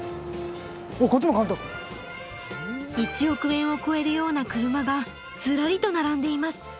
１億円を超えるような車がずらりと並んでいます。